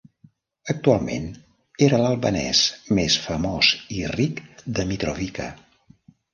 Actualment, era l'albanès més famós i ric de Mitrovica.